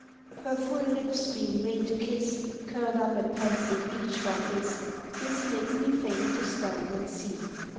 _ Her full lips being made to kiss, Curl'd up and pensive each one is; This makes me faint to stand and see.